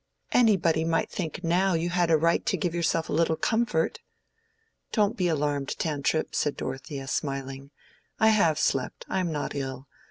Anybody might think now you had a right to give yourself a little comfort." "Don't be alarmed, Tantripp," said Dorothea, smiling. "I have slept; I am not ill.